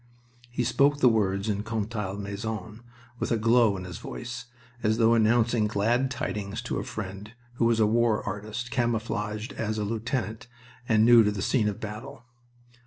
He spoke the words in Contalmaison with a glow in his voice, as though announcing glad tidings to a friend who was a war artist camouflaged as a lieutenant and new to the scene of battle.